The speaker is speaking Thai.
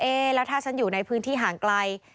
แล้วถ้าฉันอยู่ในพื้นที่ห่างไกล